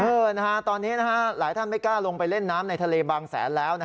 ตอนนี้หลายท่านไม่กล้าลงไปเล่นน้ำในทะเลบางแสนแล้ว